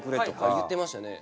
言ってましたね。